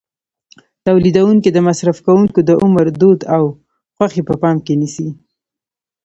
تولیدوونکي د مصرف کوونکو د عمر، دود او خوښې په پام کې نیسي.